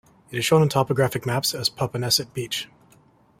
It is shown on topographic maps as Popponesset Beach.